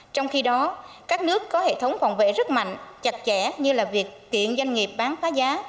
trong khi đó các nước có hệ thống phòng vệ rất mạnh chặt chẽ như là việc kiện doanh nghiệp bán phá giá